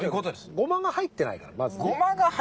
ゴマが入ってないです。